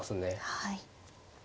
はい。